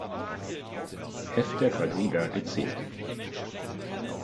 Heft der "Quadriga" gezählt.